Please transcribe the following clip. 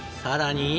さらに。